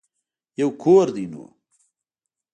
يو کور دی نو.